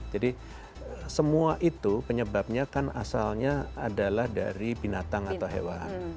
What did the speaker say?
jadi semua itu penyebabnya kan asalnya adalah dari binatang atau hewan